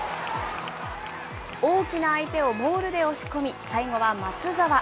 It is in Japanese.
大きな相手をモールで押し込み、最後は松沢。